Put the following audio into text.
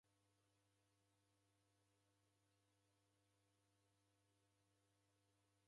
Iruw'a jakaba ata mbogha ranyaya.